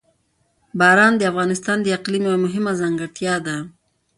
باران د افغانستان د اقلیم یوه مهمه ځانګړتیا ده.